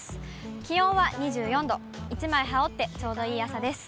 気温は２４度、１枚羽織ってちょうどいい朝です。